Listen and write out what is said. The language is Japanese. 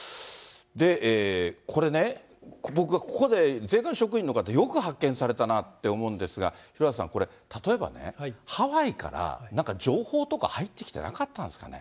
これね、僕がここで税関の職員の方、よく発見されたなって思うんですが、廣畑さん、これ、例えばね、ハワイから、なんか情報とか入ってきてなかったんですかね？